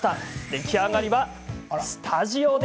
出来上がりはスタジオで。